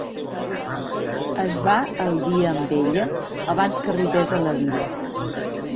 Es va al dia amb ella abans que arribés a la vila.